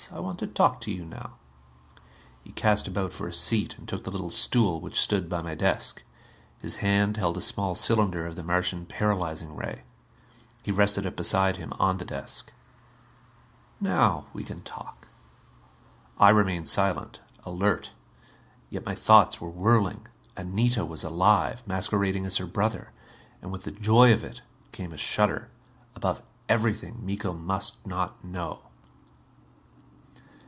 I want to talk to you now." He cast about for a seat, and took the little stool which stood by my desk. His hand held a small cylinder of the Martian paralyzing ray. He rested it beside him on the desk. "Now we can talk." I remained silent. Alert. Yet my thoughts were whirling. Anita was alive. Masquerading as her brother. And, with the joy of it, came a shudder. Above everything, Miko must not know.